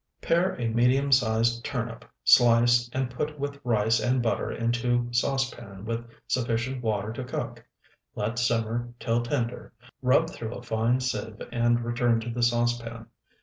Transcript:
Pare a medium sized turnip, slice, and put with rice and butter into saucepan with sufficient water to cook; let simmer till tender, rub through a fine sieve and return to the saucepan.